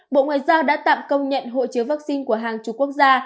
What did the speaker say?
bộ ngoại giao đã tạm công nhận hộ chiếu vaccine của hàng chục quốc gia